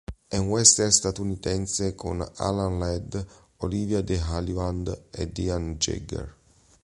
È un western statunitense con Alan Ladd, Olivia de Havilland e Dean Jagger.